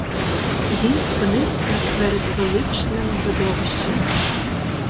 Він спинився перед величним видовищем.